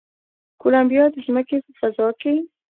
کولمبیا د ځمکې په فضا کې